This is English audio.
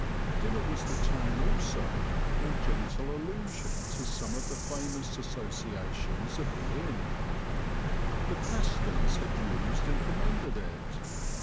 Dinner was the time also for gentle allusion to some of the famous associations of the inn. The Pastons had used and commended it.